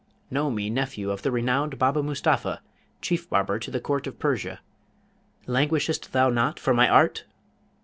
Know me nephew of the renowned Baba Mustapha, chief barber to the Court of Persia. Languishest thou not for my art?